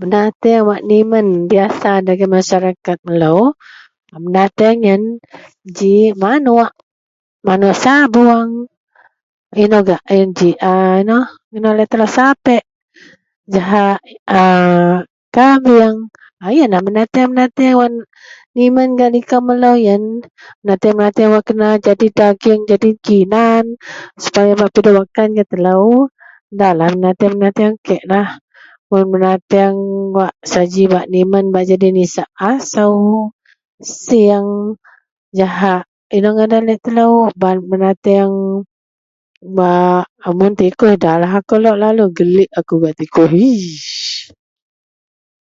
Benateang wak nimen biyasa dagen masaraket melo benateang iyen ji manuok, manuok sabuong ino ji ino laei telo sapiek jahak aa kabing iyenlah benateang nimen gak liko melo iyen benateang-benateang wak kena jadi daging jadi kinan supaya pidok wak kan gak telo da lah benateang kek mun ji nimen asou sieng jahak ino ngadan laei telo benateang bak mun tikus da lah akou lok geliek, ee yeh.